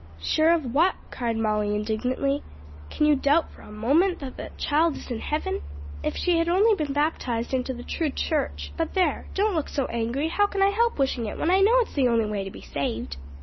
"Sure of what?" cried Molly indignantly; "can you doubt for a moment that that child is in heaven?" "If she had only been baptized into the true church. But there, don't look so angry! how can I help wishing it when I know it's the only way to be saved?"